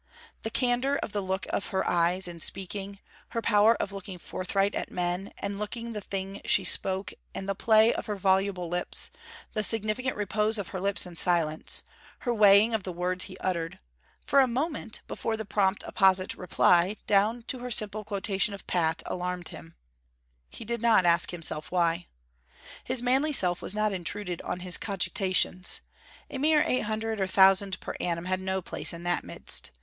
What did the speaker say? The candour of the look of her eyes in speaking, her power of looking forthright at men, and looking the thing she spoke, and the play of her voluble lips, the significant repose of her lips in silence, her weighing of the words he uttered, for a moment before the prompt apposite reply, down to her simple quotation of Pat, alarmed him; he did not ask himself why. His manly self was not intruded on his cogitations. A mere eight hundred or thousand per annum had no place in that midst.